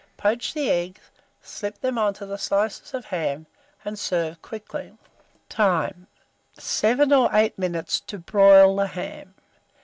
Poach the eggs, slip them on to the slices of ham, and serve quickly. Time. 7 or 8 minutes to broil the ham.